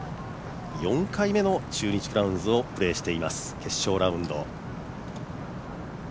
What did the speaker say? ４回目の中日クラウンズをプレーしています、決勝ラウンド。